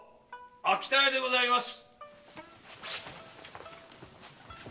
・秋田屋でございます！